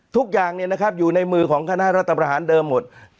ทุกอย่างเนี้ยนะครับอยู่ในมือของขณะรัศตราหารเดิมหมด